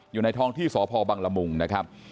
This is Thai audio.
อยู่ในท้องที่สพบังละมุงนะครับ